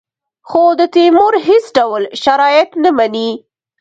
خو د تیمور هېڅ ډول شرایط نه مني.